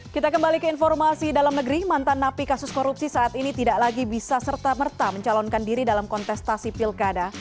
kita kembali ke informasi dalam negeri mantan napi kasus korupsi saat ini tidak lagi bisa serta merta mencalonkan diri dalam kontestasi pilkada